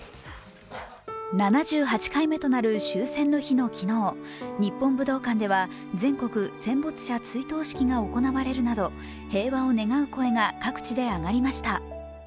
７８回目となる終戦の日の昨日、日本武道館では全国戦没者追悼式が行われるなど平和を願う声が各地で上がりました。